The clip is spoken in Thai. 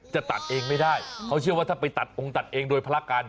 จะตัดเองไม่ได้เขาเชื่อว่าถ้าไปตัดองค์ตัดเองโดยภาระกัน